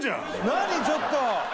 何ちょっと！